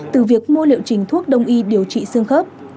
từ việc mua liệu trình thuốc đông y điều trị xương khớp